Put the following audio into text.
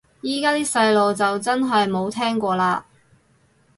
依家啲細路就真係冇聽過嘞